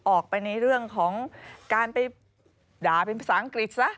ออกไปในเรื่องของการไปด่าเป็นภาษาอังกฤษซะ